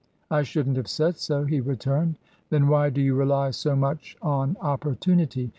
" I shouldn't have said so," he returned. "Then why do you rely so much on opportunity?